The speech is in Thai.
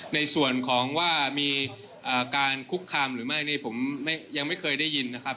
ในส่วนของว่ามีการคุกคามหรือไม่นี่ผมยังไม่เคยได้ยินนะครับ